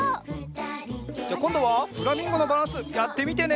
じゃこんどはフラミンゴのバランスやってみてね。